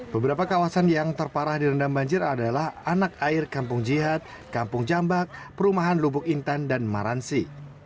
beberapa kawasan yang terparah direndam banjir adalah anak air kampung jihad kampung jambak perumahan lubuk intan dan maransi